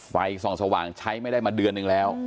ไฟส่องสว่างใช้ไม่ได้มาเดือนหนึ่งแล้ว